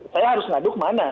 saya harus mengadu kemana